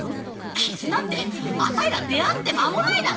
絆ってアタイら出会って間もないだろ。